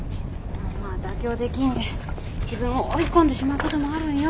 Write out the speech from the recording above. まあ妥協できんで自分を追い込んでしまう事もあるんよ